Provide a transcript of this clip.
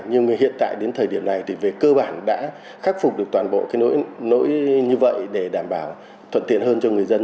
nhưng hiện tại đến thời điểm này thì về cơ bản đã khắc phục được toàn bộ cái nỗi như vậy để đảm bảo thuận tiện hơn cho người dân